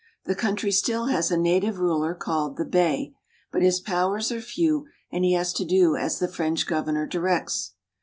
The country still has a native ruler called the Bey ; but his powers are few, and he has to do as the French governor directs.